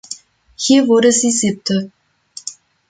Hier wurde sie Siebte.